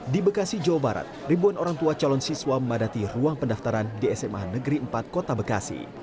di bekasi jawa barat ribuan orang tua calon siswa memadati ruang pendaftaran di sma negeri empat kota bekasi